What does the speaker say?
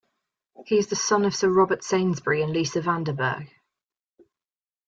He is the son of Sir Robert Sainsbury and Lisa van den Bergh.